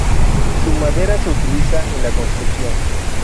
Su madera se utiliza en la construcción.